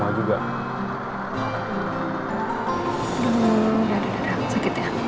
udah udah udah sakit ya